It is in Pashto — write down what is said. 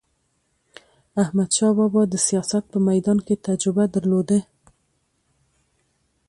احمدشاه بابا د سیاست په میدان کې تجربه درلوده.